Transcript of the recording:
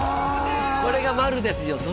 これがまるですよ